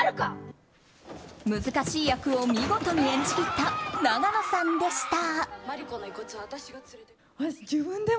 難しい役を見事に演じ切った永野さんでした。